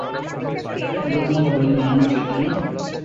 ওরা তোমাকে বলেনি আমি কে, তাই না?